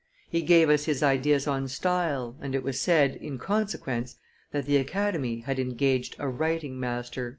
He gave us his ideas on style, and it was said, in consequence, that the Academy had engaged a writing master."